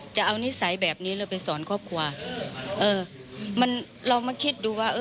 จะเอานิสัยแบบนี้แล้วไปสอนครอบครัวเออเรามาคิดดูว่า